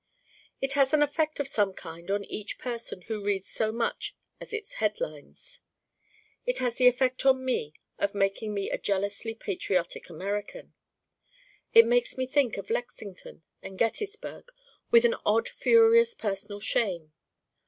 It has an effect of some kind on each person who reads so much as its 'headlines.' It has the effect on me of making me a jealously patriotic American. It makes me think of Lexington and Gettysburg with an odd furious personal shame.